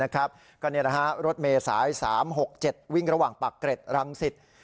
ก็นี่นะฮะรถเมษาย๓๖๗วิ่งระหว่างปากเกร็ดรำสิทธิ์